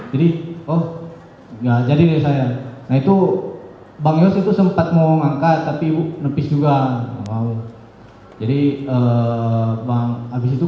jadi oh gak jadi deh saya nah itu bang yos itu sempat mau mengangkat tapi nepis juga jadi bang habis itu